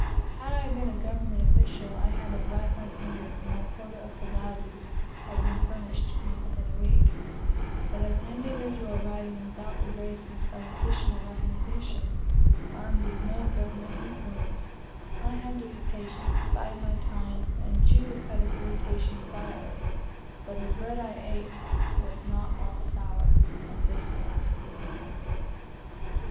Had I been a Government official, I had but wagged my finger and my quota of pagazis had been furnished me within a week; but as an individual arriving without the graces of official recognition, armed with no Government influence, I had to be patient, bide my time, and chew the cud of irritation quietly, but the bread I ate was not all sour, as this was.